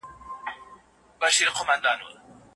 ايا درناوی له سپکاوي څخه ښه دی؟